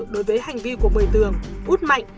đối với hành vi của một mươi tường út mạnh